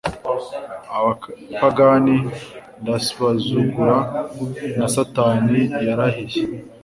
abapagani ndasbauzugura, na satani yarahiye